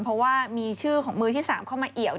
เพราะว่ามีชื่อของมือที่๓เข้ามาเอี่ยว